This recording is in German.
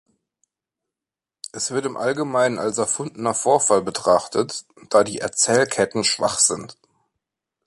Es wird im Allgemeinen als erfundener Vorfall betrachtet, da die Erzählketten schwach sind.